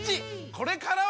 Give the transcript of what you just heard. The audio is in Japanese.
これからは！